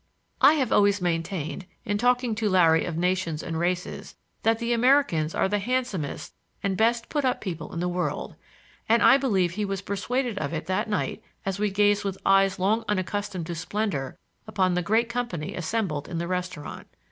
I have always maintained, in talking to Larry of nations and races, that the Americans are the handsomest and best put up people in the world, and I believe he was persuaded of it that night as we gazed with eyes long unaccustomed to splendor upon the great company assembled in the restaurant.